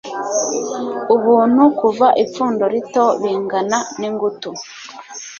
Ubuntu kuva ipfundo rito bingana ningutu